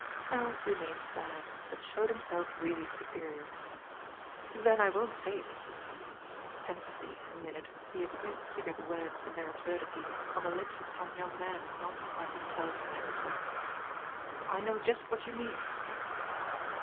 Harold remained sad, but showed himself really superior. "Then I won't say it." Pensively, a minute, he appeared to figure the words, in their absurdity, on the lips of some young man not, like himself, tactful. "I know just what you mean."